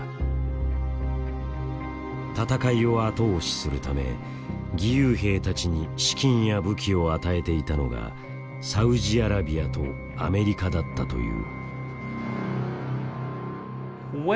戦いを後押しするため義勇兵たちに資金や武器を与えていたのがサウジアラビアとアメリカだったという。